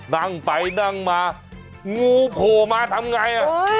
นั่งไปนั่งมางูโผล่มาทำไง